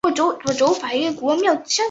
后来侯升任为主治医师。